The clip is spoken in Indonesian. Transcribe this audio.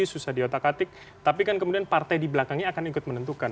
susah diotak atik tapi kan kemudian partai di belakangnya akan ikut menentukan